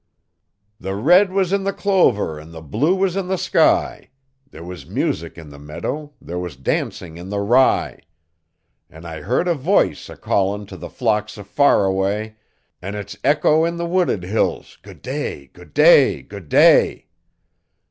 'The red was in the clover an' the blue was in the sky: There was music in the meadow, there was dancing in the rye; An' I heard a voice a calling to the flocks o' Faraway An' its echo in the wooded hills Go'day! Go'day! Go'day!